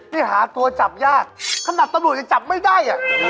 นี่หาตัวจับยากขนาดตำรวจยังจับไม่ได้